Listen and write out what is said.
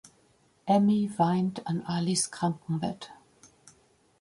Emmi weint an Alis Krankenbett.